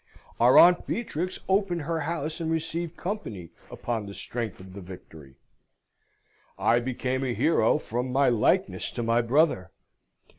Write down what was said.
Our Aunt Beatrix opened her house and received company upon the strength of the victory. I became a hero from my likeness to my brother.